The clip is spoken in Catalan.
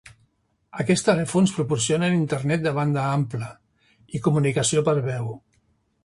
Aquests telèfons proporcionen Internet de banda ampla i comunicació per veu.